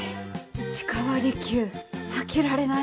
市川利休負けられない。